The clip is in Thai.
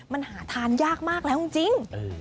มันหาทานยากมากแล้วจริง